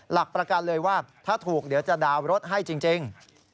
หลักประกันเลยว่าถ้าถูกเดี๋ยวจะดาวน์รถให้จริง